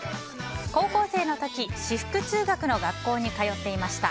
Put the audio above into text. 高校生の時、私服通学の学校に通っていました。